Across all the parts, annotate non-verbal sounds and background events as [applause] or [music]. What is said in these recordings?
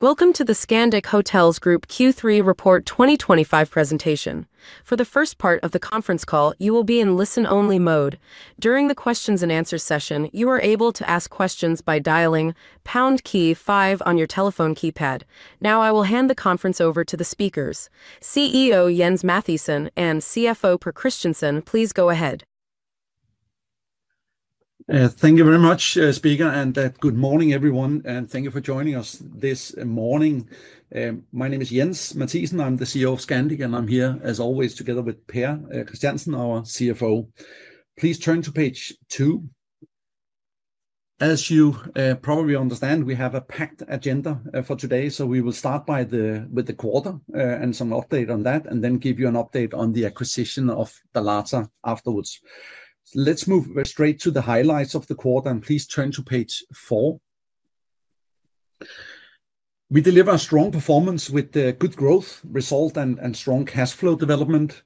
Welcome to the Scandic Hotels Group Q3 Report 2025 presentation. For the first part of the conference call, you will be in listen-only mode. During the questions and answers session, you are able to ask questions by dialing pound key five on your telephone keypad. Now, I will hand the conference over to the speakers. CEO Jens Mathiesen and CFO Pär Christiansen, please go ahead. Thank you very much, Speaker, and good morning, everyone, and thank you for joining us this morning. My name is Jens Mathiesen, I'm the CEO of Scandic, and I'm here, as always, together with Pär Christiansen, our CFO. Please turn to page two. As you probably understand, we have a packed agenda for today, so we will start with the quarter and some updates on that, and then give you an update on the acquisition of Dalata afterwards. Let's move straight to the highlights of the quarter, and please turn to page four. We deliver a strong performance with good growth, result, and strong cash flow development.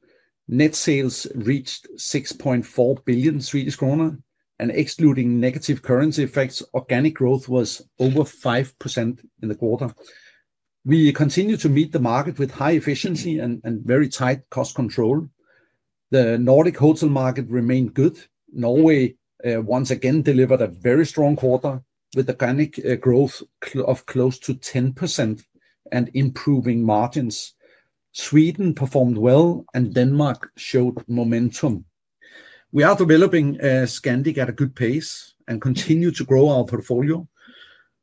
Net sales reached 6.4 billion Swedish kronor, and excluding negative currency effects, organic growth was over 5% in the quarter. We continue to meet the market with high efficiency and very tight cost control. The Nordic hotel market remained good. Norway once again delivered a very strong quarter with organic growth of close to 10% and improving margins. Sweden performed well, and Denmark showed momentum. We are developing Scandic at a good pace and continue to grow our portfolio.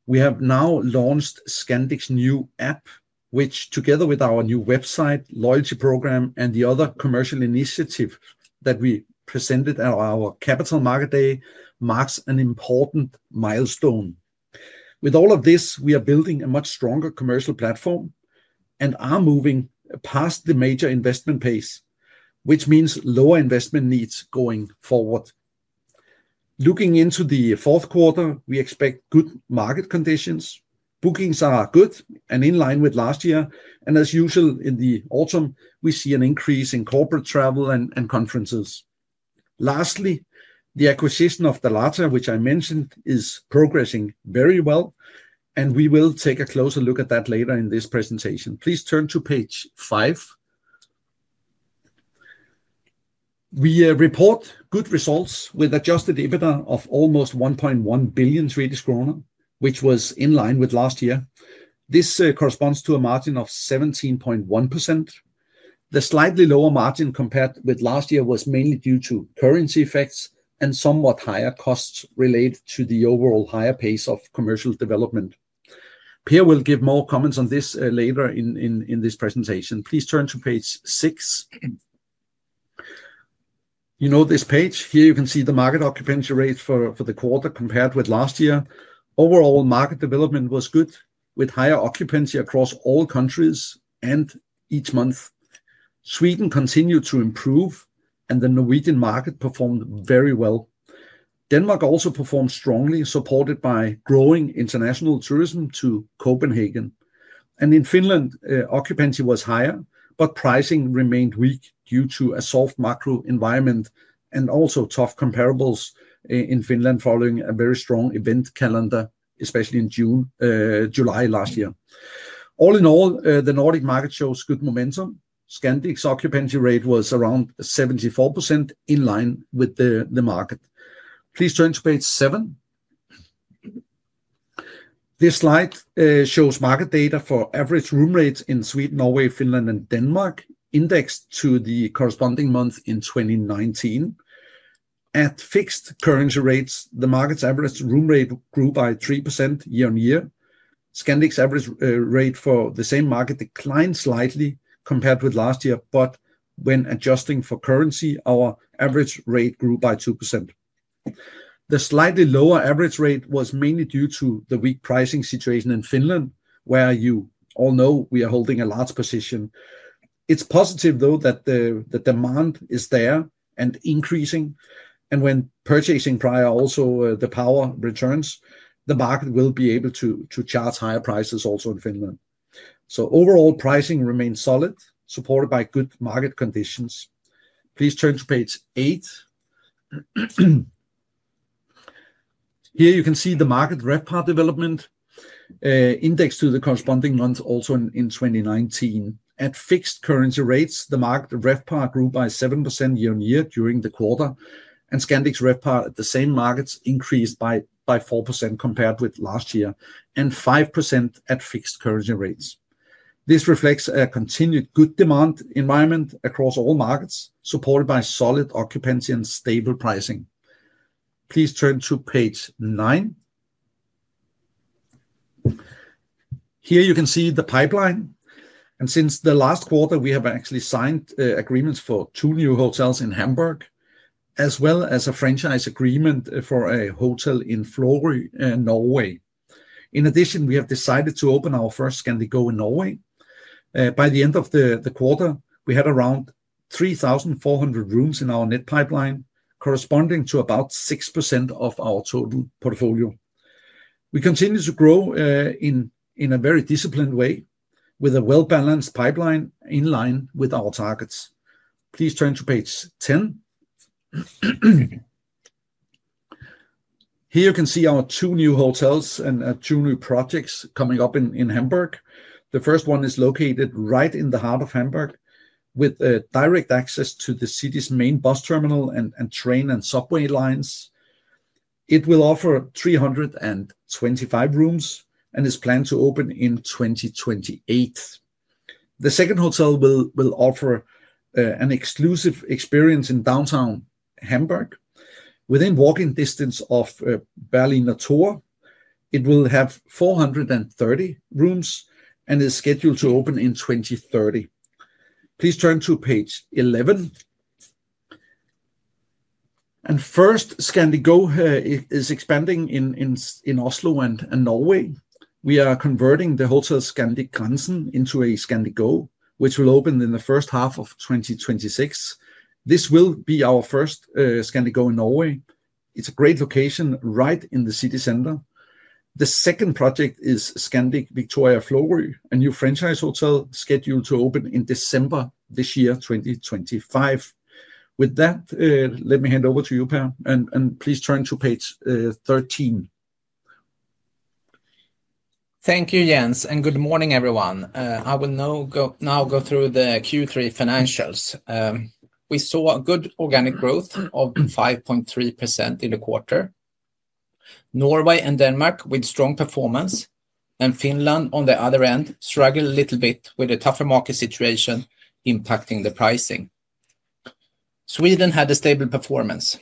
We have now launched Scandic's new app, which, together with our new website, loyalty program, and the other commercial initiatives that we presented at our Capital Market Day, marks an important milestone. With all of this, we are building a much stronger commercial platform and are moving past the major investment pace, which means lower investment needs going forward. Looking into the fourth quarter, we expect good market conditions. Bookings are good and in line with last year, and as usual in the autumn, we see an increase in corporate travel and conferences. Lastly, the acquisition of Dalata, which I mentioned, is progressing very well, and we will take a closer look at that later in this presentation. Please turn to page five. We report good results with an adjusted EBITDA of almost 1.1 billion Swedish kronor, which was in line with last year. This corresponds to a margin of 17.1%. The slightly lower margin compared with last year was mainly due to currency effects and somewhat higher costs related to the overall higher pace of commercial development. Pär will give more comments on this later in this presentation. Please turn to page six. You know this page. Here you can see the market occupancy rate for the quarter compared with last year. Overall, market development was good, with higher occupancy across all countries and each month. Sweden continued to improve, and the Norwegian market performed very well. Denmark also performed strongly, supported by growing international tourism to Copenhagen. In Finland, occupancy was higher, but pricing remained weak due to a soft macro environment and also tough comparables in Finland following a very strong event calendar, especially in June and July last year. All in all, the Nordic market shows good momentum. Scandic's occupancy rate was around 74%, in line with the market. Please turn to page seven. This slide shows market data for average room rates in Sweden, Norway, Finland, and Denmark, indexed to the corresponding month in 2019. At fixed currency rates, the market's average room rate grew by 3% year-on-year. Scandic's average rate for the same market declined slightly compared with last year, but when adjusting for currency, our average rate grew by 2%. The slightly lower average rate was mainly due to the weak pricing situation in Finland, where you all know we are holding a large position. It's positive, though, that the demand is there and increasing, and when purchasing power also returns, the market will be able to charge higher prices also in Finland. Overall, pricing remains solid, supported by good market conditions. Please turn to page eight. Here you can see the market RevPAR development indexed to the corresponding month also in 2019. At fixed currency rates, the market RevPAR grew by 7% year-on-year during the quarter, and Scandic's RevPAR at the same markets increased by 4% compared with last year and 5% at fixed currency rates. This reflects a continued good demand environment across all markets, supported by solid occupancy and stable pricing. Please turn to page nine. Here you can see the pipeline, and since the last quarter, we have actually signed agreements for two new hotels in Hamburg, as well as a franchise agreement for a hotel in Florø, Norway. In addition, we have decided to open our first Scandic Go in Norway. By the end of the quarter, we had around 3,400 rooms in our net pipeline, corresponding to about 6% of our total portfolio. We continue to grow in a very disciplined way, with a well-balanced pipeline in line with our targets. Please turn to page 10. Here you can see our two new hotels and two new projects coming up in Hamburg. The first one is located right in the heart of Hamburg, with direct access to the city's main bus terminal and train and subway lines. It will offer 325 rooms and is planned to open in 2028. The second hotel will offer an exclusive experience in downtown Hamburg, within walking distance of Berliner Tor. It will have 430 rooms and is scheduled to open in 2030. Please turn to page 11. First, Scandic Go is expanding in Oslo and Norway. We are converting the hotel Scandic Grensen into a Scandic Go, which will open in the first half of 2026. This will be our first Scandic Go in Norway. It's a great location right in the city center. The second project is Scandic Victoria Florø, a new franchise hotel scheduled to open in December this year, 2025. With that, let me hand over to you, Pär, and please turn to page 13. Thank you, Jens, and good morning, everyone. I will now go through the Q3 financials. We saw good organic growth of 5.3% in the quarter. Norway and Denmark with strong performance, and Finland, on the other end, struggled a little bit with a tougher market situation impacting the pricing. Sweden had a stable performance.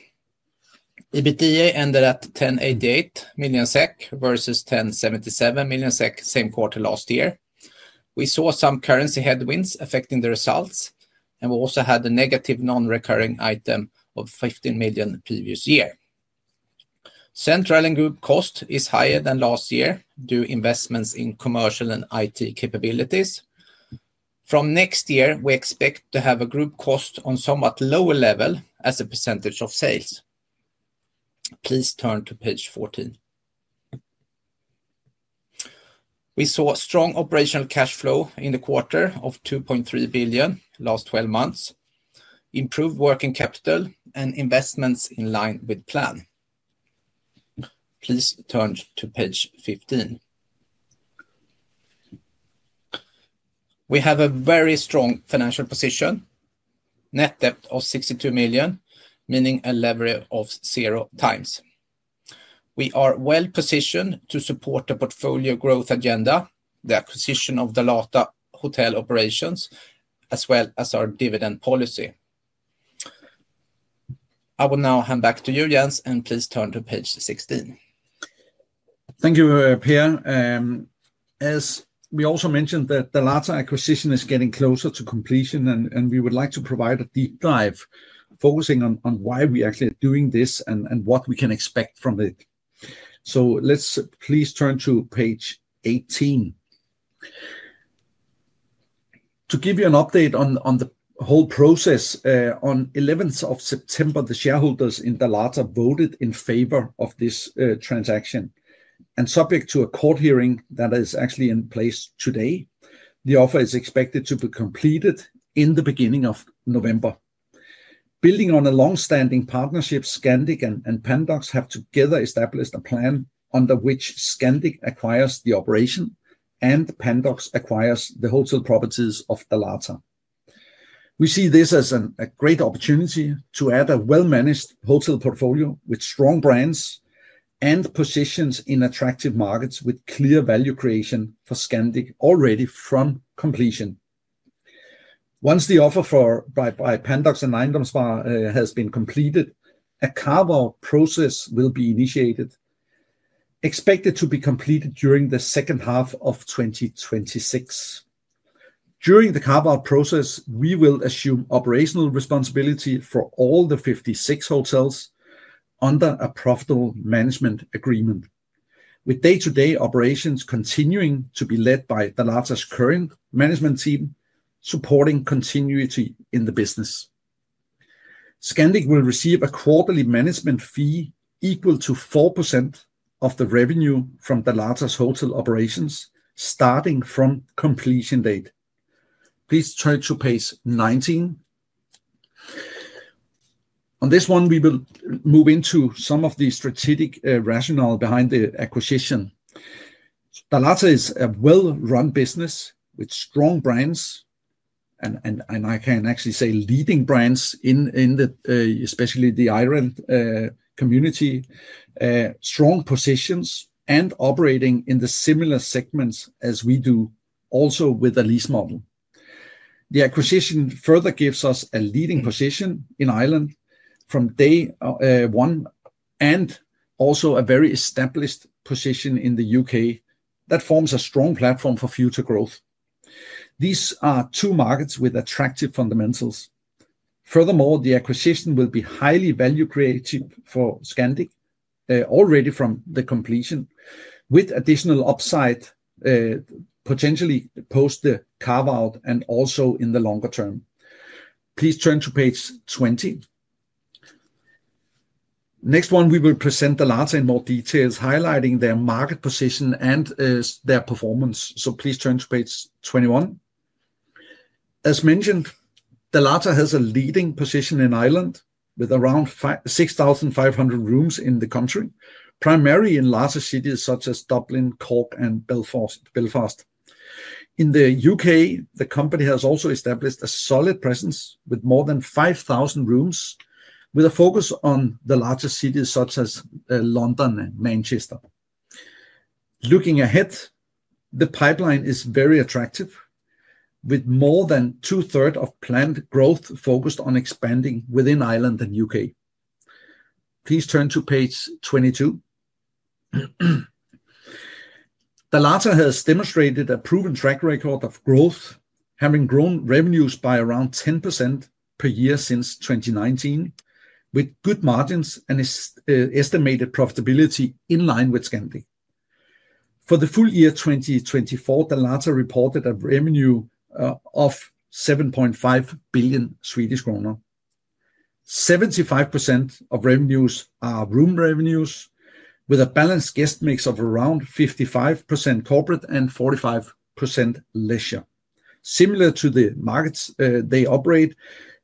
EBITDA ended at 1,088 million SEK versus 1,077 million SEK, same quarter last year. We saw some currency headwinds affecting the results, and we also had a negative non-recurring item of 15 million previous year. Central and group cost is higher than last year due to investments in commercial and IT capabilities. From next year, we expect to have a group cost on a somewhat lower level as a percentage of sales. Please turn to page 14. We saw strong operational cash flow in the quarter of 2.3 billion last 12 months, improved working capital, and investments in line with plan. Please turn to page 15. We have a very strong financial position, net debt of 62 million, meaning a leverage of zero times. We are well-positioned to support the portfolio growth agenda, the acquisition of Dalata hotel operations, as well as our dividend policy. I will now hand back to you, Jens, and please turn to page 16. Thank you, Pär. As we also mentioned, Dalata acquisition is getting closer to completion, and we would like to provide a deep dive focusing on why we are actually doing this and what we can expect from it. Please turn to page 18. To give you an update on the whole process, on 11th of September, the shareholders in Dalata voted in favor of this transaction, and subject to a court hearing that is actually in place today, the offer is expected to be completed in the beginning of November. Building on a longstanding partnership, Scandic and Pandox have together established a plan under which Scandic acquires the operation and Pandox acquires the hotel properties of Dalata. We see this as a great opportunity to add a well-managed hotel portfolio with strong brands and positions in attractive markets with clear value creation for Scandic already from completion. Once the offer by Pandox and Eiendomsspar has been completed, a carve-out process will be initiated, expected to be completed during the second half of 2026. During the carve-out process, we will assume operational responsibility for all the 56 hotels under a profitable management agreement, with day-to-day operations continuing to be led by Dalata's current management team, supporting continuity in the business. Scandic will receive a quarterly management fee equal to 4% of the revenue from Dalata's hotel operations starting from completion date. Please turn to page 19. On this one, we will move into some of the strategic rationale behind the acquisition. Dalata is a well-run business with strong brands, and I can actually say leading brands in the, especially the Ireland community, strong positions and operating in the similar segments as we do, also with the lease model. The acquisition further gives us a leading position in Ireland from day one and also a very established position in the U.K. that forms a strong platform for future growth. These are two markets with attractive fundamentals. Furthermore, the acquisition will be highly value creative for Scandic already from the completion, with additional upside potentially post the carve-out and also in the longer term. Please turn to page 20. Next one, we will present Dalata in more details, highlighting their market position and their performance. Please turn to page 21. As mentioned, Dalata has a leading position in Ireland with around 6,500 rooms in the country, primarily in larger cities such as Dublin, Cork, and Belfast. In the U.K., the company has also established a solid presence with more than 5,000 rooms, with a focus on the larger cities such as London and Manchester. Looking ahead, the pipeline is very attractive, with more than two-thirds of planned growth focused on expanding within Ireland and the U.K. Please turn to page 22. Dalata has demonstrated a proven track record of growth, having grown revenues by around 10% per year since 2019, with good margins and estimated profitability in line with Scandic. For the full year 2024, Dalata reported a revenue of 7.5 billion Swedish kronor. 75% of revenues are room revenues, with a balanced guest mix of around 55% corporate and 45% leisure. Similar to the markets they operate,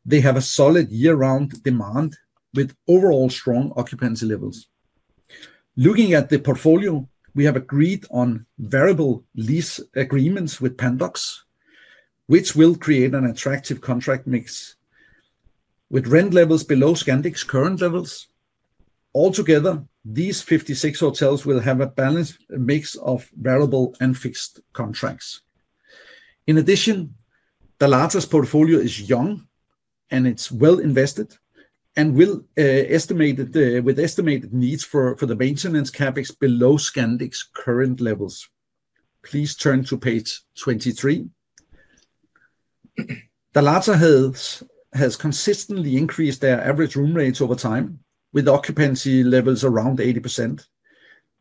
they have a solid year-round demand, with overall strong occupancy levels. Looking at the portfolio, we have agreed on variable lease agreements with Pandox, which will create an attractive contract mix, with rent levels below Scandic's current levels. Altogether, these 56 hotels will have a balanced mix of variable and fixed contracts. In addition, Dalata's portfolio is young and it's well invested and with estimated needs for the maintenance capex below Scandic's current levels. Please turn to page 23. Dalata has consistently increased their average room rates over time, with occupancy levels around 80%.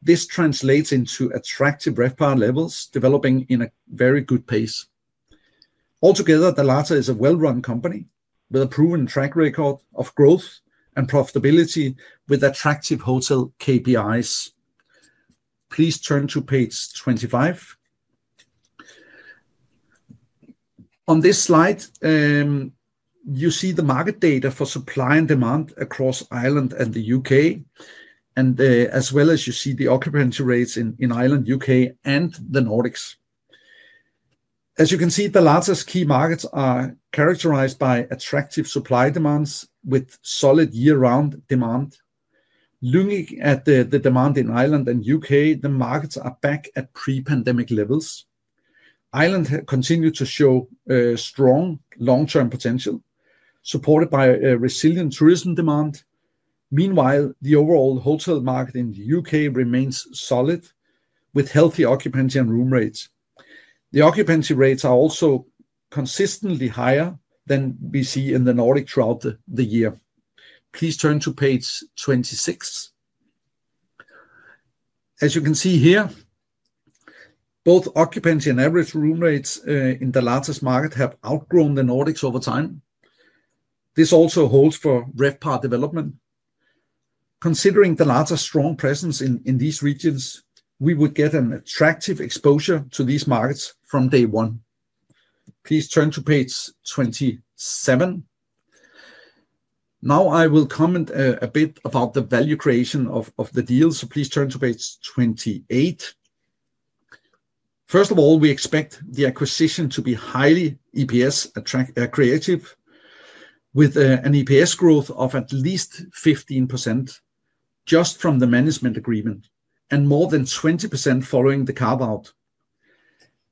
This translates into attractive RevPAR levels developing at a very good pace. Altogether, Dalata is a well-run company with a proven track record of growth and profitability with attractive hotel KPIs. Please turn to page 25. On this slide, you see the market data for supply and demand across Ireland and the U.K., as well as you see the occupancy rates in Ireland, U.K., and the Nordics. As you can see, Dalata's key markets are characterized by attractive supply demands with solid year-round demand. Looking at the demand in Ireland and the U.K., the markets are back at pre-pandemic levels. Ireland continued to show strong long-term potential, supported by resilient tourism demand. Meanwhile, the overall hotel market in the U.K. remains solid with healthy occupancy and room rates. The occupancy rates are also consistently higher than we see in the Nordics throughout the year. Please turn to page 26. As you can see here, both occupancy and average room rates in Dalata's market have outgrown the Nordics over time. This also holds for RevPAR development. Considering Dalata's strong presence in these regions, we would get an attractive exposure to these markets from day one. Please turn to page 27. Now I will comment a bit about the value creation of the deal. Please turn to page 28. First of all, we expect the acquisition to be highly EPS accretive, with an EPS growth of at least 15% just from the management agreement and more than 20% following the carve-out.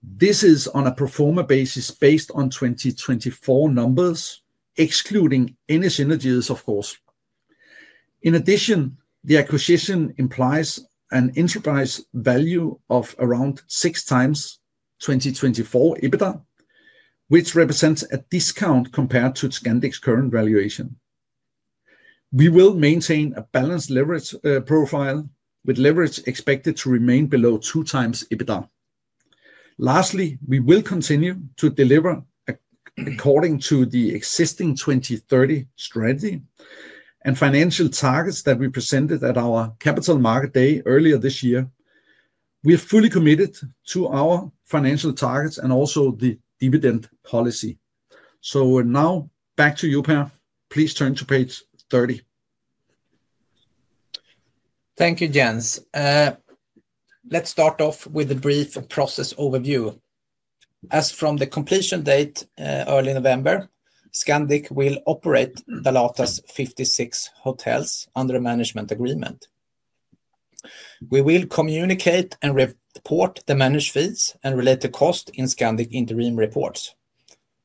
This is on a pro forma basis based on 2024 numbers, excluding any synergies, of course. In addition, the acquisition implies an enterprise value of around 6x 2024 EBITDA, which represents a discount compared to Scandic's current valuation. We will maintain a balanced leverage profile with leverage expected to remain below 2x EBITDA. Lastly, we will continue to deliver according to the existing 2030 strategy and financial targets that we presented at our Capital Market Day earlier this year. We are fully committed to our financial targets and also the dividend policy. Now back to you, Pär. Please turn to page 30. Thank you, Jens. Let's start off with a brief process overview. As from the completion date early November, Scandic will operate Dalata's 56 hotels under a management agreement. We will communicate and report the managed fees and related costs in Scandic interim reports.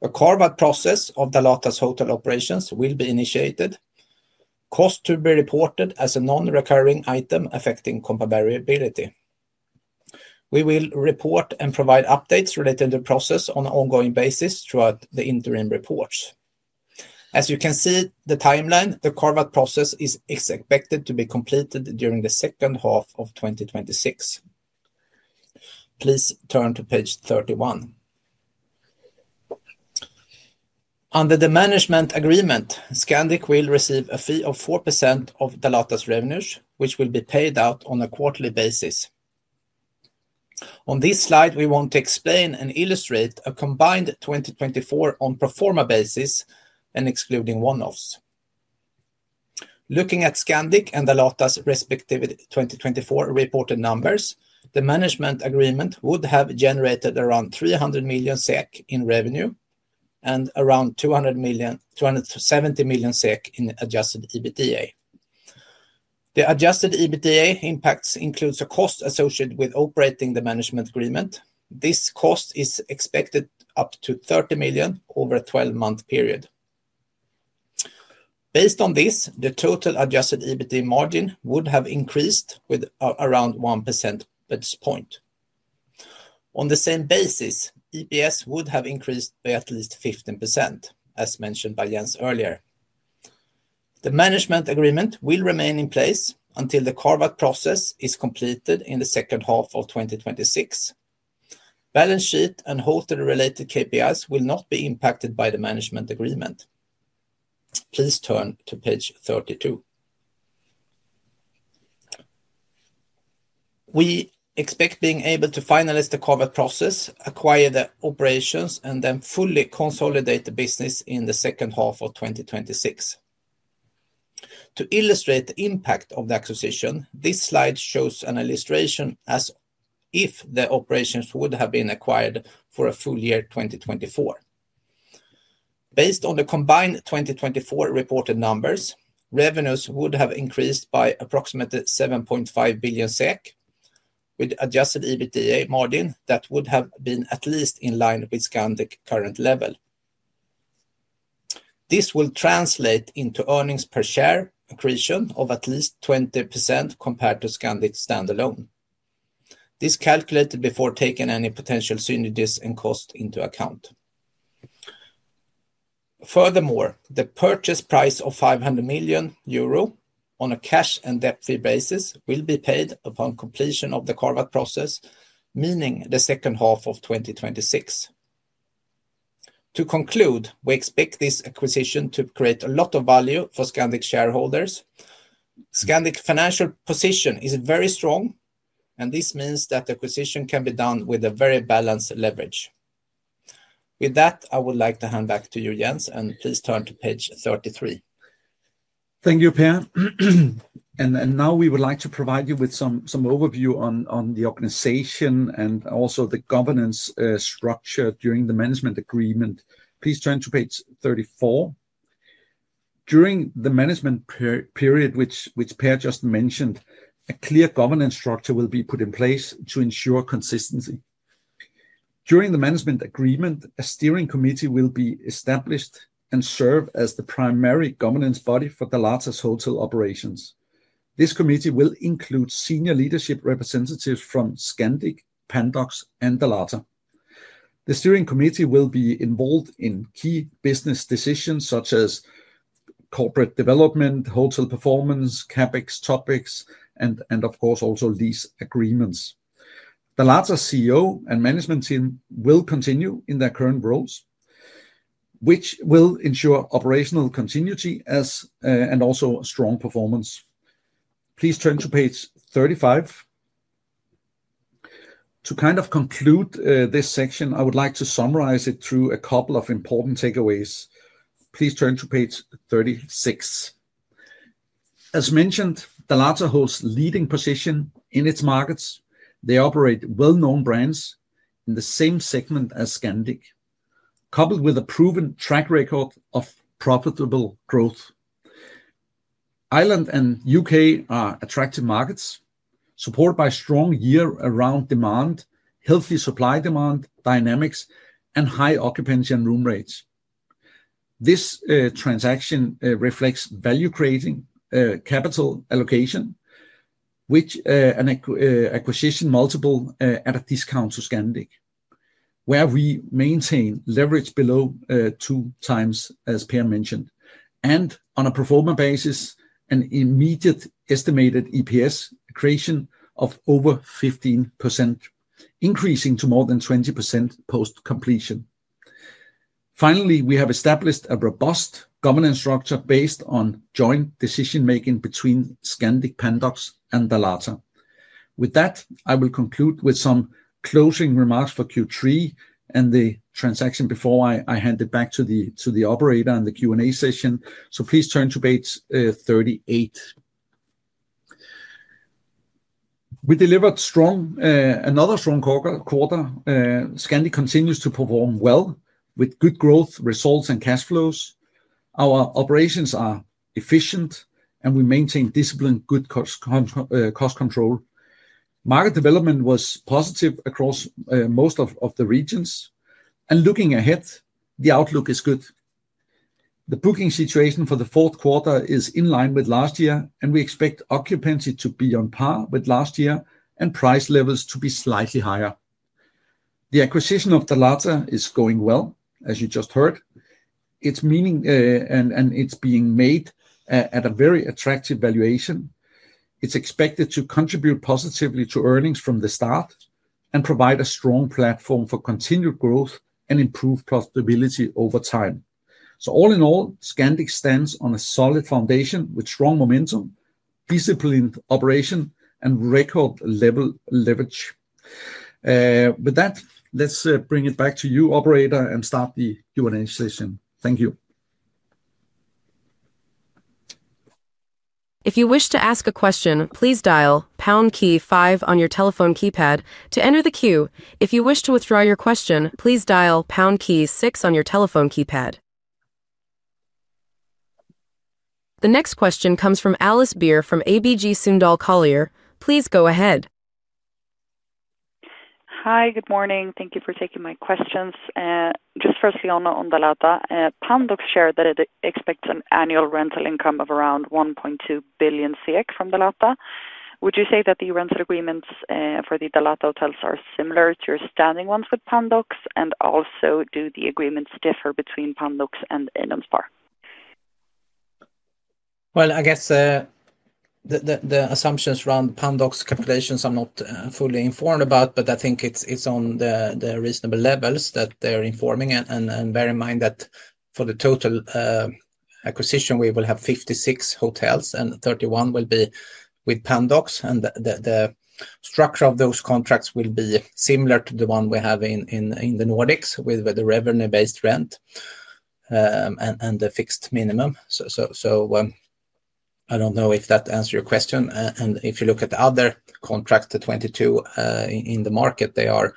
A carve-out process of Dalata's hotel operations will be initiated. Costs will be reported as a non-recurring item affecting comparability. We will report and provide updates related to the process on an ongoing basis throughout the interim reports. As you can see the timeline, the carve-out process is expected to be completed during the second half of 2026. Please turn to page 31. Under the management agreement, Scandic will receive a fee of 4% of Dalata's revenues, which will be paid out on a quarterly basis. On this slide, we want to explain and illustrate a combined 2024 on performer basis and excluding one-offs. Looking at Scandic and Dalata's respective 2024 reported numbers, the management agreement would have generated around 300 million SEK in revenue and around 270 million SEK in adjusted EBITDA. The adjusted EBITDA impacts include the cost associated with operating the management agreement. This cost is expected up to 30 million over a 12-month period. Based on this, the total adjusted EBITDA margin would have increased by around 1% basis point. On the same basis, EPS would have increased by at least 15%, as mentioned by Jens earlier. The management agreement will remain in place until the carve-out process is completed in the second half of 2026. Balance sheet and hotel-related KPIs will not be impacted by the management agreement. Please turn to page 32. We expect being able to finalize the carve-out process, acquire the operations, and then fully consolidate the business in the second half of 2026. To illustrate the impact of the acquisition, this slide shows an illustration as if the operations would have been acquired for a full year 2024. Based on the combined 2024 reported numbers, revenues would have increased by approximately 7.5 billion SEK, with adjusted EBITDA margin that would have been at least in line with Scandic's current level. This will translate into earnings per share accretion of at least 20% compared to Scandic standalone. This is calculated before taking any potential synergies and costs into account. Furthermore, the purchase price of 500 million euro on a cash and debt-free basis will be paid upon completion of the carve-out process, meaning the second half of 2026. To conclude, we expect this acquisition to create a lot of value for Scandic shareholders. Scandic's financial position is very strong, and this means that the acquisition can be done with a very balanced leverage. With that, I would like to hand back to you, Jens, and please turn to page 33. Thank you, Pär. Now we would like to provide you with some overview on the organization and also the governance structure during the management agreement. Please turn to page 34. During the management period, which Pär just mentioned, a clear governance structure will be put in place to ensure consistency. During the management agreement, a steering committee will be established and serve as the primary governance body for Dalata's hotel operations. This committee will include senior leadership representatives from Scandic, Pandox, and Dalata. The steering committee will be involved in key business decisions such as corporate development, hotel performance, CapEx, OpEx, and of course also lease agreements. Dalata's CEO and management team will continue in their current roles, which will ensure operational continuity and also strong performance. Please turn to page 35. To conclude this section, I would like to summarize it through a couple of important takeaways. Please turn to page 36. As mentioned, Dalata holds a leading position in their markets. They operate well-known brands in the same segment as Scandic, coupled with a proven track record of profitable growth. Ireland and the U.K. are attractive markets, supported by strong year-round demand, healthy supply-demand dynamics, and high occupancy and room rates. This transaction reflects value-creating capital allocation, with an acquisition multiple at a discount to Scandic, where we maintain leverage below 2X, as Pär mentioned, and on a pro forma basis, an immediate estimated EPS creation of over 15%, increasing to more than 20% post completion. Finally, we have established a robust governance structure based on joint decision-making between Scandic, Pandox, and Dalata. With that, I will conclude with some closing remarks for Q3 and the transaction before I hand it back to the operator and the Q&A session. Please turn to page 38. We delivered another strong quarter. Scandic continues to perform well with good growth results and cash flows. Our operations are efficient, and we maintain disciplined good cost control. Market development was positive across most of the regions, and looking ahead, the outlook is good. The booking situation for the fourth quarter is in line with last year, and we expect occupancy to be on par with last year and price levels to be slightly higher. The acquisition of Dalata is going well, as you just heard. It is being made at a very attractive valuation. It is expected to contribute positively to earnings from the start and provide a strong platform for continued growth and improved profitability over time. All in all, Scandic stands on a solid foundation with strong momentum, disciplined operation, and record-level leverage. With that, let's bring it back to you, operator, and start the Q&A session. Thank you. If you wish to ask a question, please dial pound key five on your telephone keypad to enter the queue. If you wish to withdraw your question, please dial pound key six on your telephone keypad. The next question comes from Alice Beer from ABG Sundal Collier. Please go ahead. Hi, good morning. Thank you for taking my questions. Just [a question] on Dalata, Pandox shared that it expects an annual rental income of around 1.2 billion from Dalata. Would you say that the rental agreements for Dalata hotels are similar to your standing ones with Pandox, and also do the agreements differ between Pandox and Eiendomsspar? I guess the assumptions around Pandox calculations I'm not fully informed about, but I think it's on the reasonable levels that they're informing. Bear in mind that for the total acquisition, we will have 56 hotels, and 31 will be with Pandox. The structure of those contracts will be similar to the one we have in the Nordics with the revenue-based rent and the fixed minimum. I don't know if that answers your question. If you look at the other contracts, the 22 in the market, they are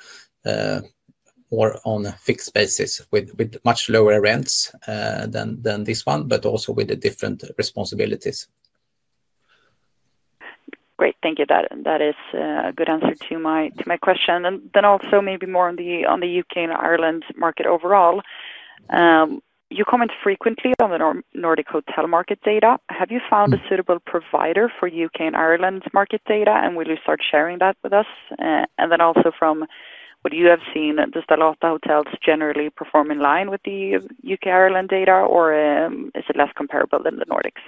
more on a fixed basis with much lower rents than this one, but also with different responsibilities. Great, thank you. That is a good answer to my question. Also, maybe more on the U.K. and Ireland market overall. You comment frequently on the Nordic hotel market data. Have you found a suitable provider for U.K. and Ireland market data, and will you start sharing that with us? From what you have seen, do Dalata hotels generally perform in line with the U.K. and Ireland data, or is it less comparable than the Nordics?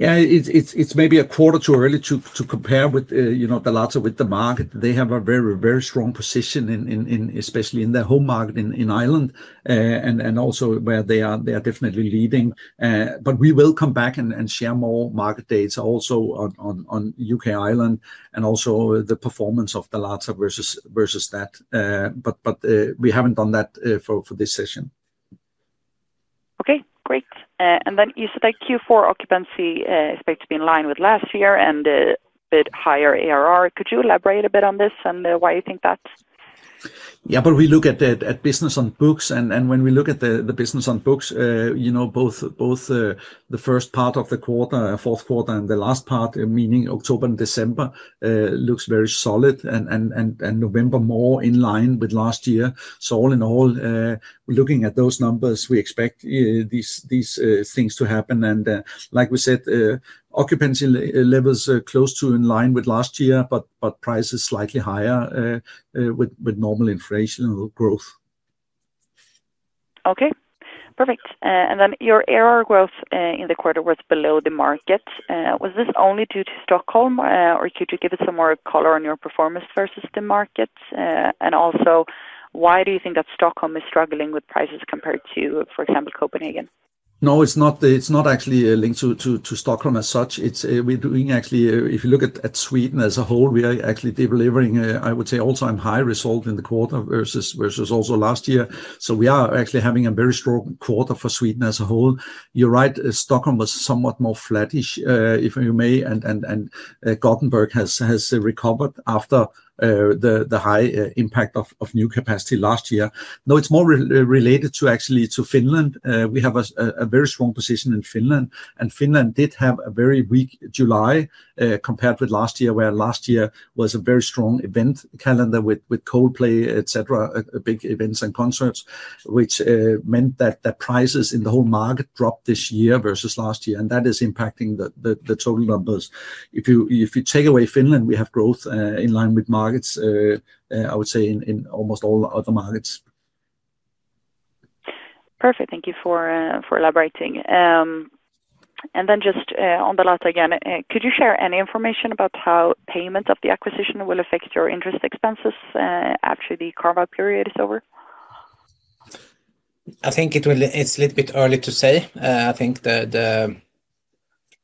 Yeah, it's maybe a quarter too early to compare with Dalata with the market. They have a very, very strong position, especially in the home market in Ireland, and also where they are definitely leading. We will come back and share more market data also on U.K. and Ireland and also the performance of Dalata versus that. We haven't done that for this session. Okay, great. You said that Q4 occupancy is expected to be in line with last year and a bit higher ARR. Could you elaborate a bit on this and why you think that? We look at business on books, and when we look at the business on books, both the first part of the quarter, fourth quarter, and the last part, meaning October and December, look very solid. November is more in line with last year. All in all, looking at those numbers, we expect these things to happen. Occupancy levels are close to in line with last year, but prices are slightly higher with normal inflation growth. Okay, perfect. Your ARR growth in the quarter was below the market. Was this only due to Stockholm, or could you give us some more color on your performance versus the market? Also, why do you think that Stockholm is struggling with prices compared to, for example, Copenhagen? No, it's not actually linked to Stockholm as such. We're doing, actually, if you look at Sweden as a whole, we are actually delivering, I would say, also a high result in the quarter versus also last year. We are actually having a very strong quarter for Sweden as a whole. You're right, Stockholm was somewhat more flattish, if you may, and Gothenburg has recovered after the high impact of new capacity last year. No, it's more related to actually Finland. We have a very strong position in Finland, and Finland did have a very weak July compared with last year, where last year was a very strong event calendar with Coldplay, etc., big events and concerts, which meant that prices in the whole market dropped this year versus last year, and that is impacting the total numbers. If you take away Finland, we have growth in line with markets, I would say, in almost all other markets. Perfect, thank you for elaborating. Could you share any information about how payment of the acquisition will affect your interest expenses after the carve-out period is over? I think it's a little bit early to say.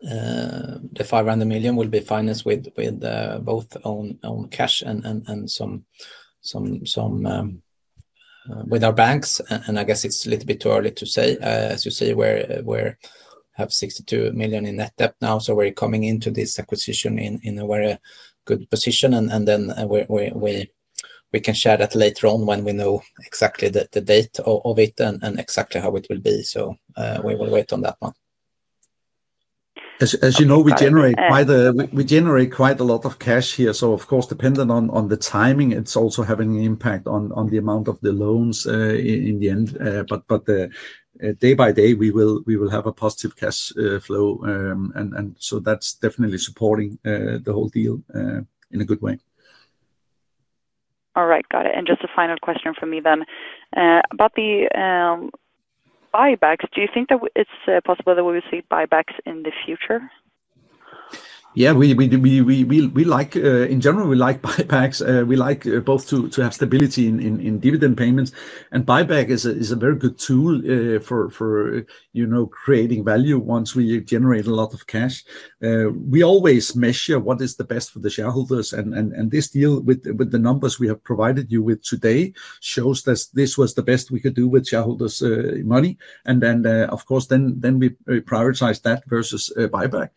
I think the 500 million will be financed with both own cash and some with our banks, and I guess it's a little bit too early to say. As you see, we have 62 million in net debt now, so we're coming into this acquisition in a very good position, and we can share that later on when we know exactly the date of it and exactly how it will be. We will wait on that one. As you know, we generate quite a lot of cash here, so of course, dependent on the timing, it's also having an impact on the amount of the loans in the end. Day by day, we will have a positive cash flow, and that's definitely supporting the whole deal in a good way. All right, got it. Just a final question from me then. About the buybacks, do you think that it's possible that we will see buybacks in the future? Yeah, we like in general, we like buybacks. We like both to have stability in dividend payments, and buyback is a very good tool for creating value once we generate a lot of cash. We always measure what is the best for the shareholders, and this deal with the numbers we have provided you with today shows that this was the best we could do with shareholders' money. Of course, we prioritize that versus buyback.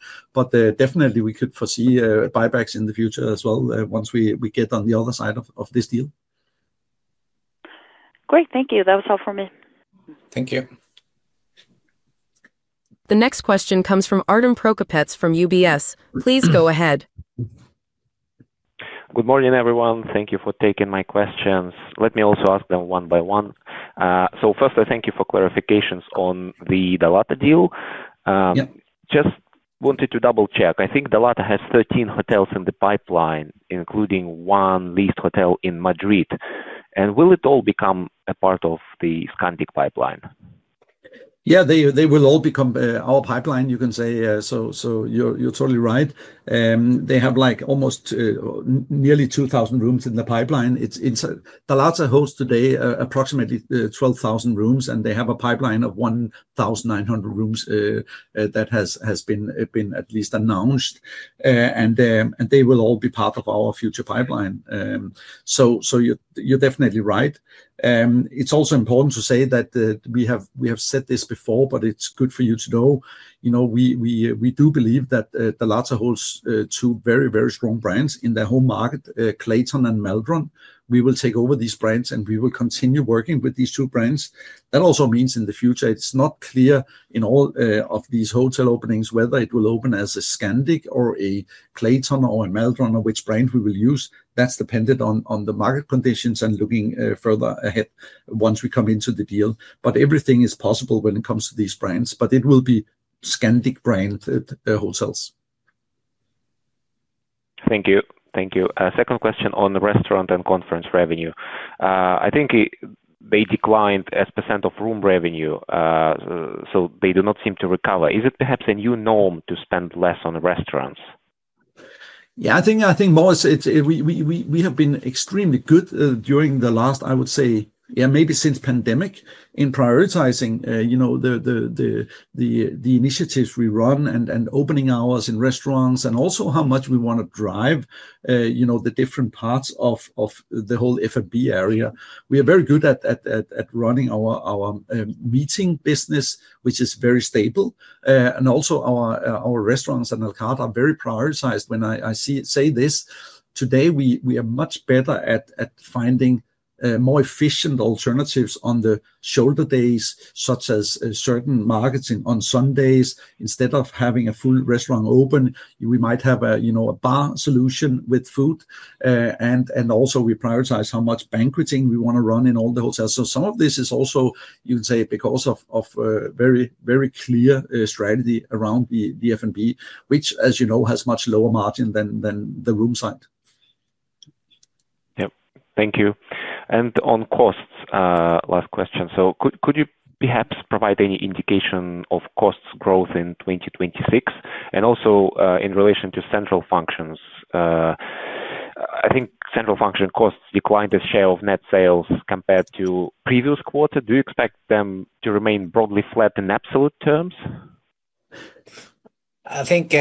Definitely, we could foresee buybacks in the future as well once we get on the other side of this deal. Great, thank you. That was all for me. Thank you. The next question comes from Artem Prokopets from UBS. Please go ahead. Good morning, everyone. Thank you for taking my questions. Let me also ask them one by one. First, I thank you for clarifications on Dalata deal. I just wanted to double-check. I think Dalata has 13 hotels in the pipeline, including one leased hotel in Madrid. Will it all become a part of the Scandic pipeline? Yeah, they will all become our pipeline, you can say. You're totally right. They have almost nearly 2,000 rooms in the pipeline. Dalata hosts today approximately 12,000 rooms, and they have a pipeline of 1,900 rooms that has been at least announced. They will all be part of our future pipeline. You're definitely right. It's also important to say that we have said this before, but it's good for you to know. You know we do believe that Dalata holds two very, very strong brands in the home market, Clayton and Maldron. We will take over these brands, and we will continue working with these two brands. That also means in the future, it's not clear in all of these hotel openings whether it will open as a Scandic or a Clayton or a Maldron or which brand we will use. That's dependent on the market conditions and looking further ahead once we come into the deal. Everything is possible when it comes to these brands, but it will be Scandic-branded hotels. Thank you. Second question on the restaurant and conference revenue. I think they declined as a percent of room revenue, so they do not seem to recover. Is it perhaps a new norm to spend less on restaurants? Yeah, I think more. We have been extremely good during the last, I would say, yeah, maybe since pandemic in prioritizing the initiatives we run and opening hours in restaurants and also how much we want to drive the different parts of the whole F&B area. We are very good at running our meeting business, which is very stable. Our restaurants and à la carte are very prioritized. When I say this, today we are much better at finding more efficient alternatives on the shoulder days, such as certain markets on Sundays. Instead of having a full restaurant open, we might have a bar solution with food. We also prioritize how much banqueting we want to run in all the hotels. Some of this is also, you can say, because of a very, very clear strategy around the F&B, which, as you know, has much lower margin than the room side. Thank you. On costs, last question. Could you perhaps provide any indication of cost growth in 2026? Also, in relation to central functions, I think central function costs declined as a share of net sales compared to the previous quarter. Do you expect them to remain broadly flat in absolute terms? I think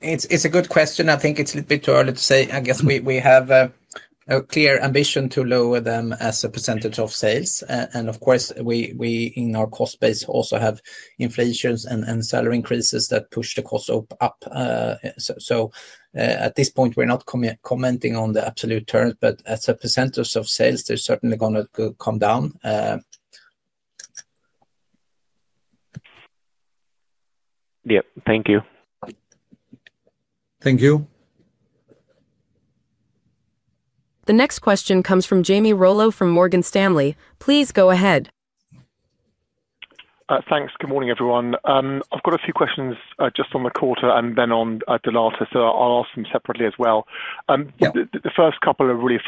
it's a good question. I think it's a little bit too early to say. I guess we have a clear ambition to lower them as a percentage of sales. Of course, we in our cost base also have inflation and salary increases that push the costs up. At this point, we're not commenting on the absolute terms, but as a percentage of sales, they're certainly going to come down. Thank you. Thank you. The next question comes from Jamie Rollo from Morgan Stanley. Please go ahead. Thanks. Good morning, everyone. I've got a few questions just on the quarter and then on Dalata, so I'll ask them separately as well. The first couple are really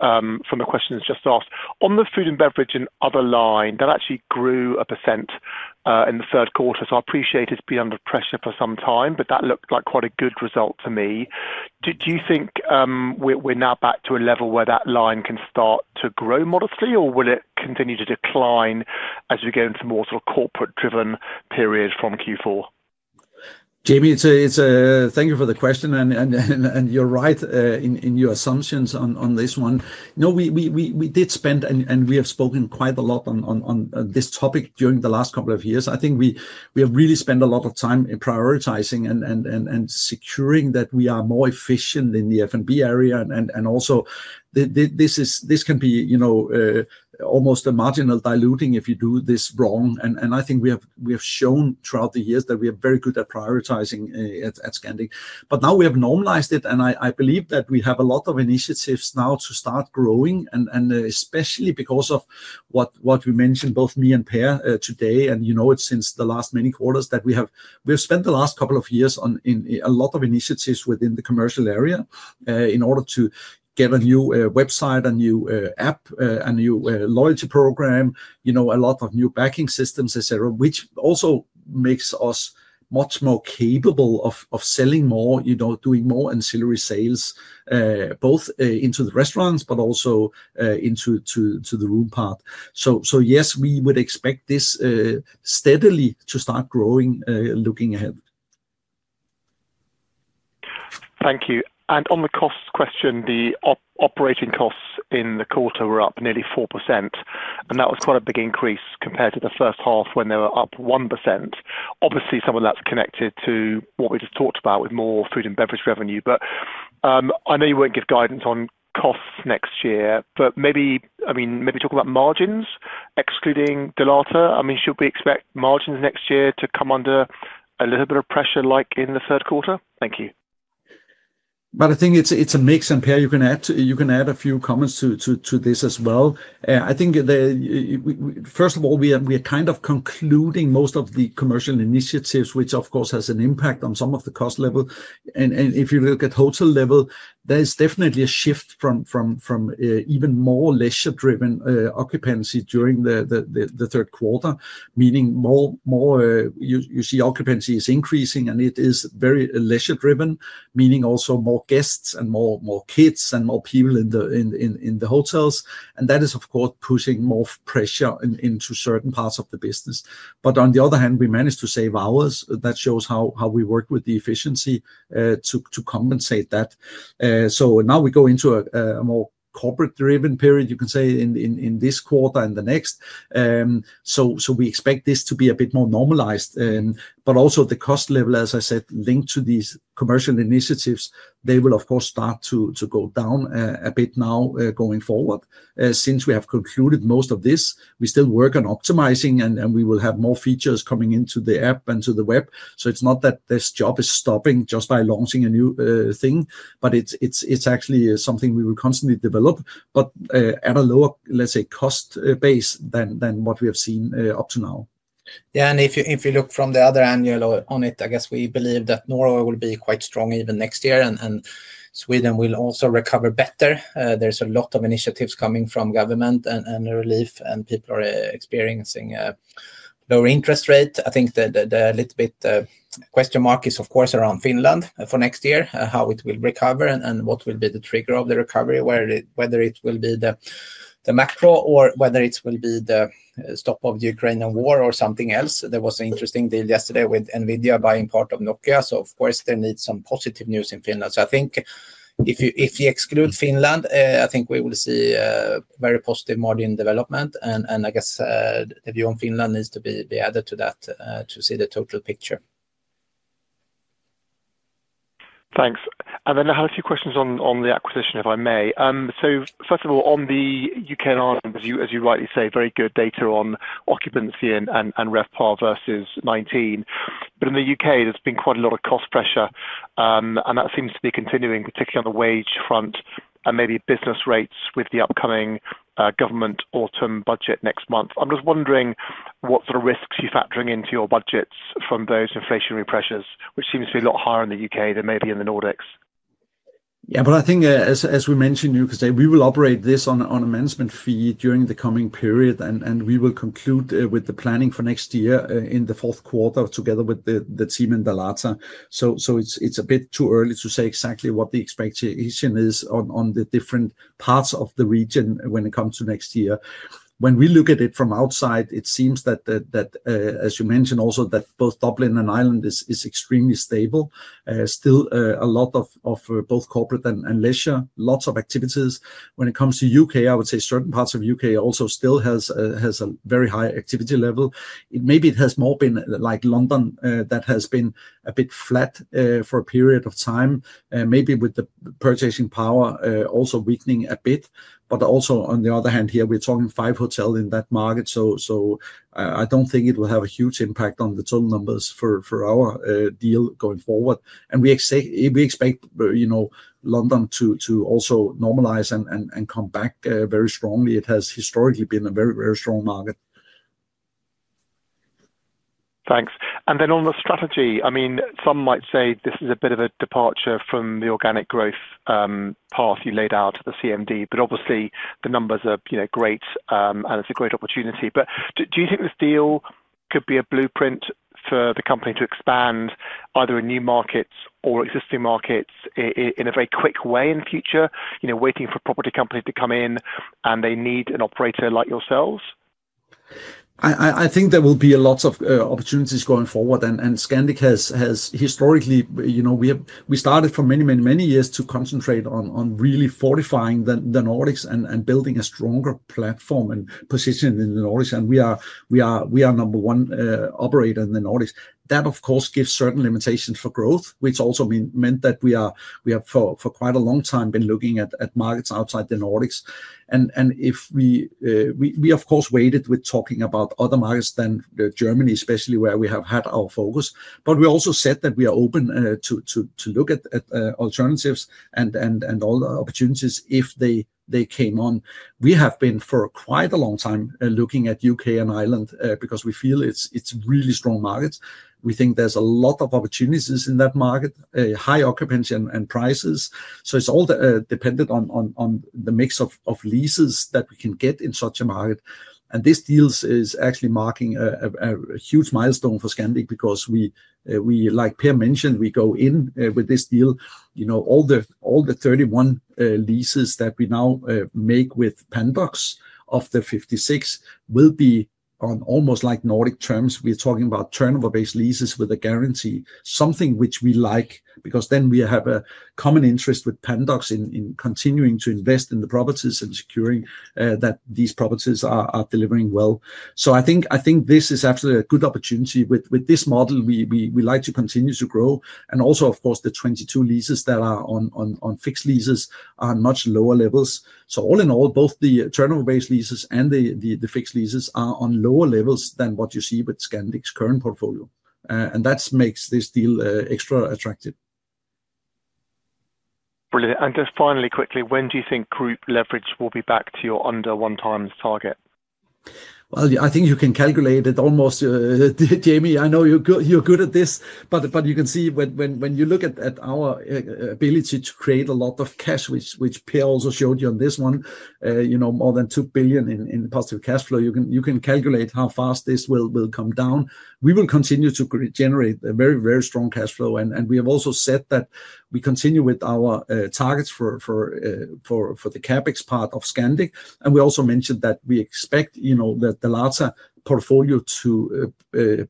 follow-ups from the questions just asked. On the food and beverage and other line, that actually grew 1% in the third quarter. I appreciate it's been under pressure for some time, but that looked like quite a good result to me. Do you think we're now back to a level where that line can start to grow modestly, or will it continue to decline as we go into more sort of corporate-driven period from Q4? Jamie, thank you for the question, and you're right in your assumptions on this one. No, we did spend, and we have spoken quite a lot on this topic during the last couple of years. I think we have really spent a lot of time prioritizing and securing that we are more efficient in the F&B area. This can be almost a marginal diluting if you do this wrong. I think we have shown throughout the years that we are very good at prioritizing at Scandic. Now we have normalized it, and I believe that we have a lot of initiatives now to start growing, especially because of what we mentioned, both me and Pär today, and you know it since the last many quarters, that we have spent the last couple of years on a lot of initiatives within the commercial area in order to get a new website, a new app, a new loyalty program, a lot of new backing systems, etc., which also makes us much more capable of selling more, doing more ancillary sales, both into the restaurants, but also into the room part. Yes, we would expect this steadily to start growing looking ahead. Thank you. On the cost question, the operating costs in the quarter were up nearly 4%, and that was quite a big increase compared to the first half when they were up 1%. Obviously, some of that's connected to what we just talked about with more food and beverage revenue. I know you won't give guidance on costs next year, but maybe talk about margins excluding Dalata. Should we expect margins next year to come under a little bit of pressure like in the third quarter? Thank you. I think it's a mix, and Pär, you can add a few comments to this as well. First of all, we are kind of concluding most of the commercial initiatives, which of course has an impact on some of the cost level. If you look at hotel level, there is definitely a shift from even more leisure-driven occupancy during the third quarter, meaning you see occupancy is increasing, and it is very leisure-driven, meaning also more guests and more kids and more people in the hotels. That is, of course, pushing more pressure into certain parts of the business. On the other hand, we managed to save hours. That shows how we work with the efficiency to compensate that. Now we go into a more corporate-driven period, you can say, in this quarter and the next. We expect this to be a bit more normalized. Also, the cost level, as I said, linked to these commercial initiatives, will, of course, start to go down a bit now going forward. Since we have concluded most of this, we still work on optimizing, and we will have more features coming into the app and to the web. It's not that this job is stopping just by launching a new thing, but it's actually something we will constantly develop, but at a lower, let's say, cost base than what we have seen up to now. Yeah, and if you look from the other annual on it, I guess we believe that Norway will be quite strong even next year, and Sweden will also recover better. There's a lot of initiatives coming from government and relief, and people are experiencing a lower interest rate. I think the little bit question mark is, of course, around Finland for next year, how it will recover and what will be the trigger of the recovery, whether it will be the macro or whether it will be the stop of the Ukrainian war or something else. There was an interesting deal yesterday with Nvidia buying part of Nokia, so of course there needs some positive news in Finland. I think if you exclude Finland, I think we will see a very positive margin development, and I guess the view on Finland needs to be added to that to see the total picture. Thanks. I have a few questions on the acquisition, if I may. First of all, on the U.K. and Ireland, as you rightly say, very good data on occupancy and revPAR versus 2019. In the U.K., there's been quite a lot of cost pressure, and that seems to be continuing, particularly on the wage front and maybe business rates with the upcoming government autumn budget next month. I'm just wondering what sort of risks you're factoring into your budgets from those inflationary pressures, which seem to be a lot higher in the U.K. than maybe in the Nordics. Yeah, but I think, as we mentioned, you can say, we will operate this on a management fee during the coming period, and we will conclude with the planning for next year in the fourth quarter together with the team in Dalata. It's a bit too early to say exactly what the expectation is on the different parts of the region when it comes to next year. When we look at it from outside, it seems that, as you mentioned also, both Dublin and Ireland are extremely stable, still a lot of both corporate and leisure, lots of activities. When it comes to the U.K., I would say certain parts of the U.K. also still have a very high activity level. Maybe it has more been like London that has been a bit flat for a period of time, maybe with the purchasing power also weakening a bit. On the other hand, here we're talking five hotels in that market, so I don't think it will have a huge impact on the total numbers for our deal going forward. We expect London to also normalize and come back very strongly. It has historically been a very, very strong market. Thanks. On the strategy, some might say this is a bit of a departure from the organic growth path you laid out at the CMD, but obviously the numbers are great, and it's a great opportunity. Do you think this deal could be a blueprint for the company to expand either in new markets or existing markets in a very quick way in the future, waiting for a property company to come in and they need an operator like yourselves? I think there will be lots of opportunities going forward, and Scandic has historically, you know, we started for many, many, many years to concentrate on really fortifying the Nordics and building a stronger platform and position in the Nordics. We are number one operator in the Nordics. That, of course, gives certain limitations for growth, which also meant that we have for quite a long time been looking at markets outside the Nordics. If we, of course, waited with talking about other markets than Germany, especially where we have had our focus, we also said that we are open to look at alternatives and all the opportunities if they came on. We have been for quite a long time looking at U.K. and Ireland because we feel it's really strong markets. We think there's a lot of opportunities in that market, high occupancy and prices. It's all dependent on the mix of leases that we can get in such a market. This deal is actually marking a huge milestone for Scandic because we, like Pär mentioned, we go in with this deal. All the 31 leases that we now make with Pandox of the 56 will be on almost like Nordic terms. We're talking about turnover-based leases with a guarantee, something which we like because then we have a common interest with Pandox in continuing to invest in the properties and securing that these properties are delivering well. I think this is absolutely a good opportunity. With this model, we like to continue to grow, and also, of course, the 22 leases that are on fixed leases are on much lower levels. All in all, both the turnover-based leases and the fixed leases are on lower levels than what you see with Scandic's current portfolio. That makes this deal extra attractive. Brilliant. Just finally, quickly, when do you think group leverage will be back to your under one-times target? I think you can calculate it almost. Jamie, I know you're good at this, but you can see when you look at our ability to create a lot of cash, which Pär also showed you on this one, you know, more than 2 billion in positive cash flow. You can calculate how fast this will come down. We will continue to generate a very, very strong cash flow, and we have also said that we continue with our targets for the CapEx part of Scandic. We also mentioned that we expect Dalata portfolio to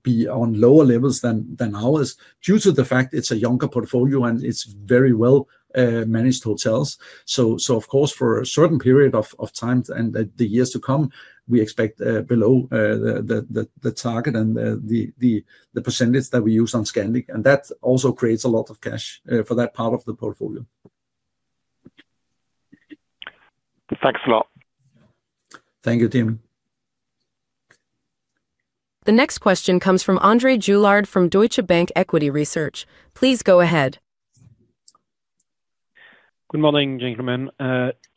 be on lower levels than ours due to the fact it's a younger portfolio and it's very well-managed hotels. Of course, for a certain period of time and the years to come, we expect below the target and the percentage that we use on Scandic. That also creates a lot of cash for that part of the portfolio. Thanks a lot. Thank you, team. The next question comes from André Juillard from Deutsche Bank Equity Research. Please go ahead. Good morning, gentlemen.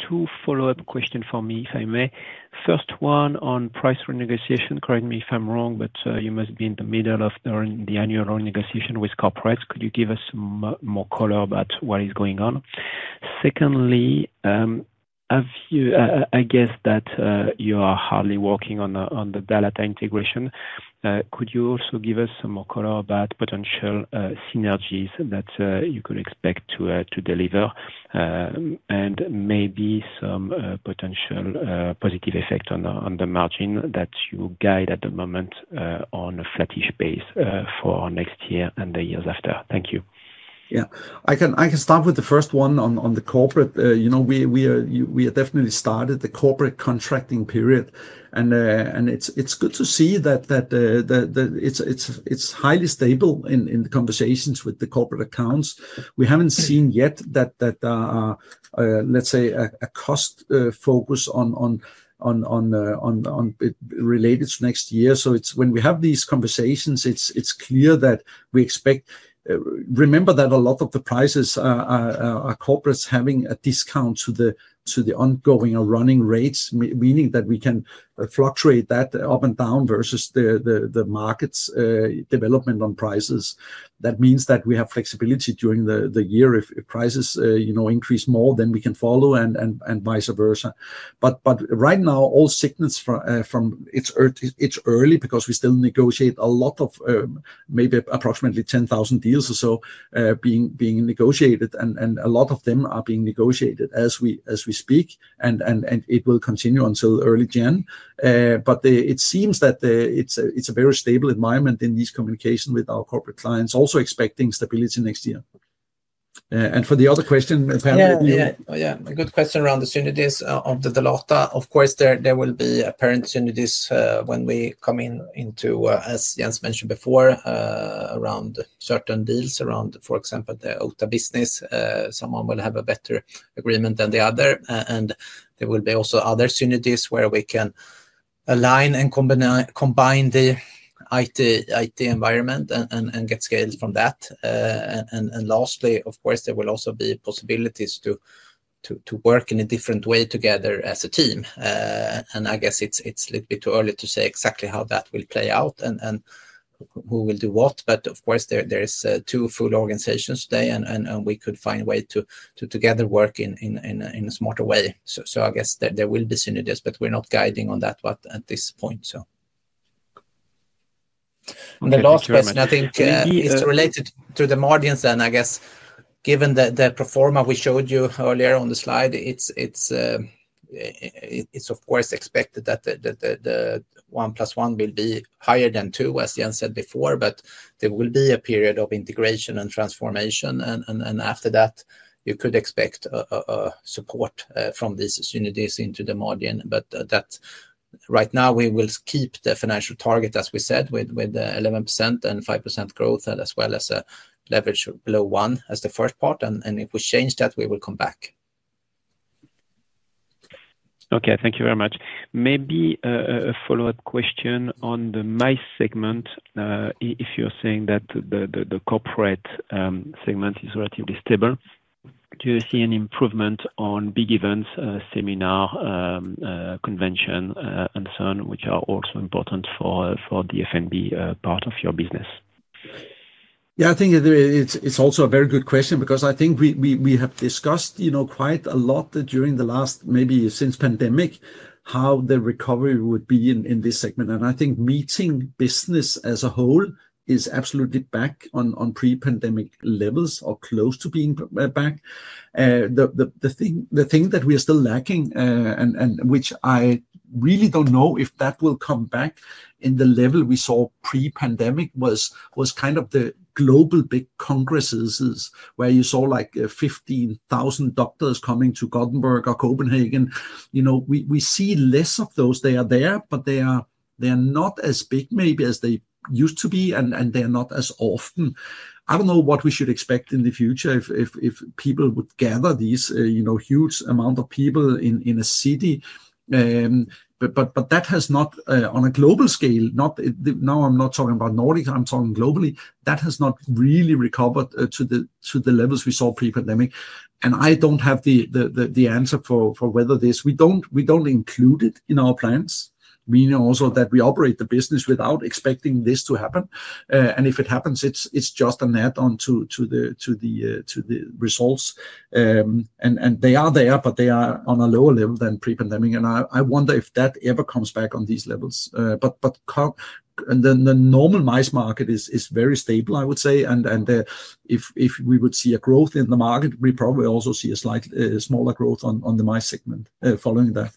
Two follow-up questions for me, if I may. First one on price renegotiation. Correct me if I'm wrong, but you must be in the middle of the annual renegotiation with corporates. Could you give us some more color about what is going on? Secondly, I guess that you are hardly working on the data integration. Could you also give us some more color about potential synergies that you could expect to deliver and maybe some potential positive effect on the margin that you guide at the moment on a flattish base for next year and the years after? Thank you. Yeah, I can start with the first one on the corporate. We have definitely started the corporate contracting period, and it's good to see that it's highly stable in the conversations with the corporate accounts. We haven't seen yet that, let's say, a cost focus related to next year. When we have these conversations, it's clear that we expect... Remember that a lot of the prices are corporates having a discount to the ongoing or running rates, meaning that we can fluctuate that up and down versus the market's development on prices. That means that we have flexibility during the year. If prices increase more, then we can follow and vice versa. Right now, all signals from... It's early because we still negotiate a lot of maybe approximately 10,000 deals or so being negotiated, and a lot of them are being negotiated as we speak, and it will continue until early June. It seems that it's a very stable environment in these communications with our corporate clients, also expecting stability next year. For the other question, apparently... Yeah, a good question around the synergies of Dalata. Of course, there will be apparent synergies when we come in, as Jens mentioned before, around certain deals, for example, the OTA business. Someone will have a better agreement than the other, and there will be also other synergies where we can align and combine the IT environment and get scale from that. Lastly, of course, there will also be possibilities to work in a different way together as a team. I guess it's a little bit too early to say exactly how that will play out and who will do what. Of course, there are two full organizations today, and we could find a way to together work in a smarter way. I guess there will be synergies, but we're not guiding on that at this point. The last question [crosstalk] I think it's related to the margins, and I guess given the pro-forma we showed you earlier on the slide, it's of course expected that the 1+1 will be higher than two, as Jens said before. There will be a period of integration and transformation, and after that, you could expect support from these synergies into the margin. Right now, we will keep the financial target, as we said, with 11% and 5% growth, as well as a leverage below one as the first part. If we change that, we will come back. Okay, thank you very much. Maybe a follow-up question on my segment. If you're saying that the corporate segment is relatively stable, do you see any improvement on big events, seminar, convention, and so on, which are also important for the F&B part of your business? Yeah, I think it's also a very good question because I think we have discussed quite a lot during the last, maybe since pandemic, how the recovery would be in this segment. I think meeting business as a whole is absolutely back on pre-pandemic levels or close to being back. The thing that we are still lacking, and which I really don't know if that will come back in the level we saw pre-pandemic, was kind of the global big congresses where you saw like 15,000 doctors coming to Gothenburg or Copenhagen. You know, we see less of those. They are there, but they are not as big maybe as they used to be, and they are not as often. I don't know what we should expect in the future if people would gather these, you know, huge amounts of people in a city. That has not, on a global scale, not now I'm not talking about Nordics, I'm talking globally, that has not really recovered to the levels we saw pre-pandemic. I don't have the answer for whether this, we don't include it in our plans. We know also that we operate the business without expecting this to happen. If it happens, it's just an add-on to the results. They are there, but they are on a lower level than pre-pandemic. I wonder if that ever comes back on these levels. The normal mice market is very stable, I would say. If we would see a growth in the market, we probably also see a slightly smaller growth on the mice segment following that.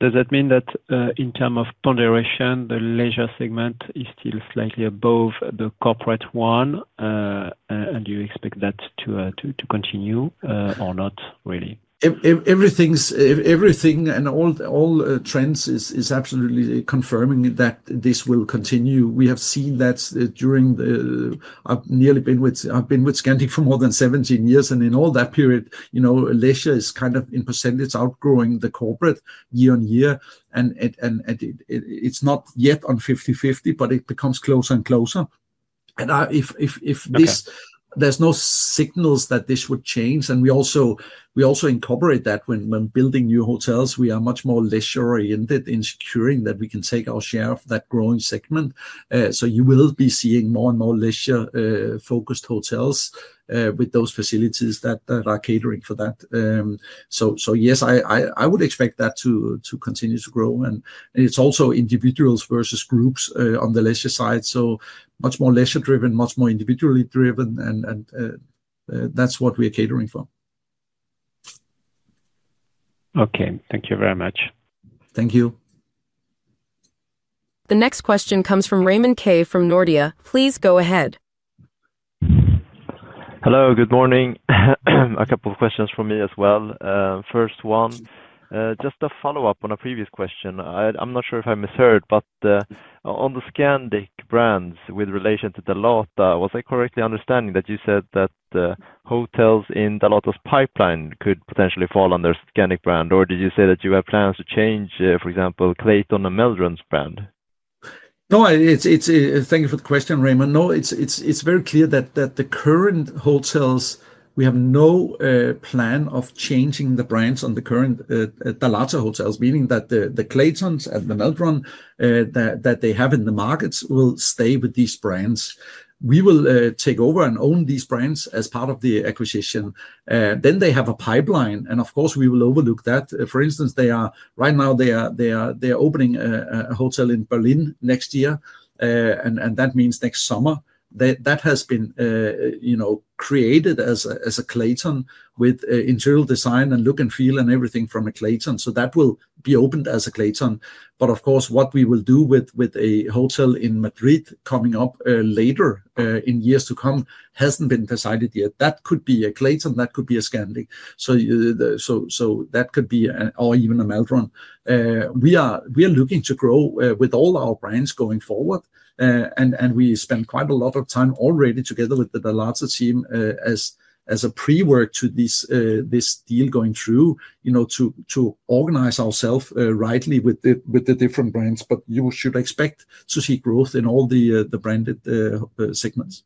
Does that mean that in terms of ponderation, the leisure segment is still slightly above the corporate one? Do you expect that to continue or not really? Everything and all trends are absolutely confirming that this will continue. We have seen that during the, I've been with Scandic for more than 17 years. In all that period, you know, leisure is kind of in percentage outgrowing the corporate year on year. It's not yet on 50/50, but it becomes closer and closer. There are no signals that this would change. We also incorporate that when building new hotels. We are much more leisure-oriented in securing that we can take our share of that growing segment. You will be seeing more and more leisure-focused hotels with those facilities that are catering for that. Yes, I would expect that to continue to grow. It's also individuals versus groups on the leisure side. Much more leisure-driven, much more individually driven. That's what we are catering for. Okay, thank you very much. Thank you. The next question comes from Raymond Ke from Nordea. Please go ahead. Hello, good morning. A couple of questions for me as well. First one, just a follow-up on a previous question. I'm not sure if I misheard, but on the Scandic brands with relation to Dalata, was I correctly understanding that you said that hotels in Dalata's pipeline could potentially fall under the Scandic brand? Or did you say that you have plans to change, for example, Clayton and Maldron's brand? No, thank you for the question, Raymond. No, it's very clear that the current hotels, we have no plan of changing the brands on the current Dalata hotels, meaning that the Clayton and the Maldron that they have in the markets will stay with these brands. We will take over and own these brands as part of the acquisition. They have a pipeline, and of course, we will overlook that. For instance, right now, they are opening a hotel in Berlin next year, and that means next summer. That has been created as a Clayton with interior design and look and feel and everything from a Clayton. That will be opened as a Clayton. What we will do with a hotel in Madrid coming up later in years to come hasn't been decided yet. That could be a Clayton, that could be a Scandic. That could be or even a Maldron. We are looking to grow with all our brands going forward, and we spent quite a lot of time already together with the Dalata team as a pre-work to this deal going through, you know, to organize ourselves rightly with the different brands. You should expect to see growth in all the branded segments.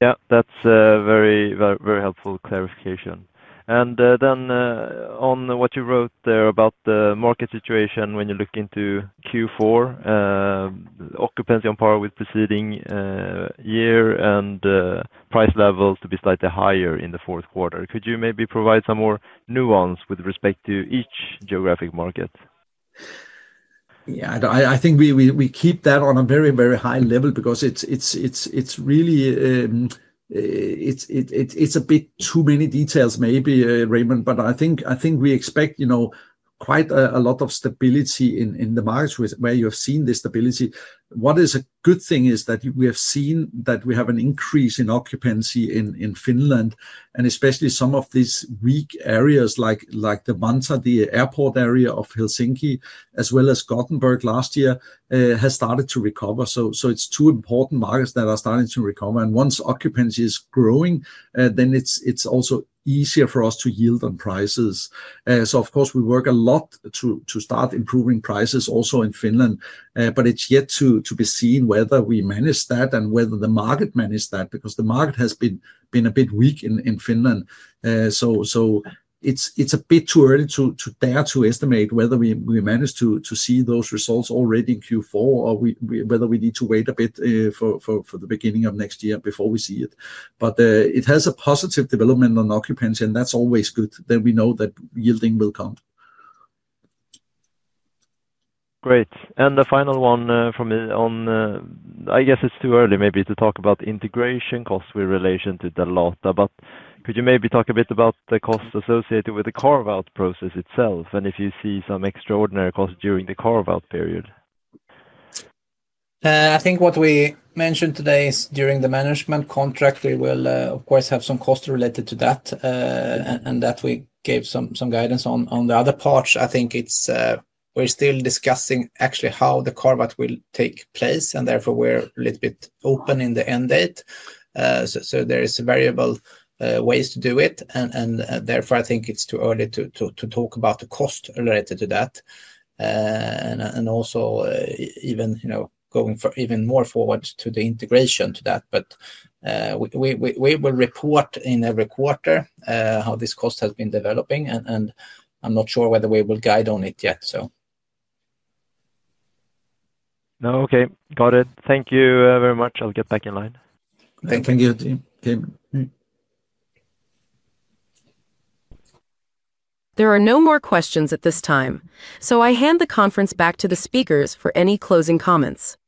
That's a very, very helpful clarification. On what you wrote there about the market situation when you look into Q4, occupancy on par with preceding year and price levels to be slightly higher in the fourth quarter. Could you maybe provide some more nuance with respect to each geographic market? Yeah, I think we keep that on a very, very high level because it's really, it's a bit too many details maybe, Raymond. I think we expect, you know, quite a lot of stability in the markets where you have seen this stability. What is a good thing is that we have seen that we have an increase in occupancy in Finland, and especially some of these weak areas like the Vantaa, the airport area of Helsinki, as well as Gothenburg last year has started to recover. It is two important markets that are starting to recover. Once occupancy is growing, then it's also easier for us to yield on prices. Of course, we work a lot to start improving prices also in Finland. It's yet to be seen whether we manage that and whether the market manages that because the market has been a bit weak in Finland. It's a bit too early to dare to estimate whether we manage to see those results already in Q4 or whether we need to wait a bit for the beginning of next year before we see it. It has a positive development on occupancy, and that's always good that we know that yielding will come. Great. The final one for me on, I guess it's too early maybe to talk about integration costs with relation to Dalata. Could you maybe talk a bit about the costs associated with the carve-out process itself and if you see some extraordinary costs during the carve-out period? I think what we mentioned today is during the management agreement, we will, of course, have some costs related to that. We gave some guidance on the other parts. I think we're still discussing actually how the carve-out will take place, and therefore we're a little bit open in the end date. There are variable ways to do it, and therefore I think it's too early to talk about the cost related to that. Also, even going more forward to the integration to that, we will report in every quarter how this cost has been developing, and I'm not sure whether we will guide on it yet. Okay. Got it. Thank you very much. I'll get back in line. Thank you, team. There are no more questions at this time. I hand the conference back to the speakers for any closing comments.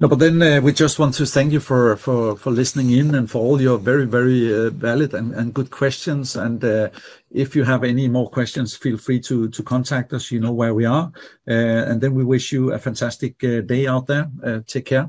We just want to thank you for listening in and for all your very, very valid and good questions. If you have any more questions, feel free to contact us. You know where we are. We wish you a fantastic day out there. Take care.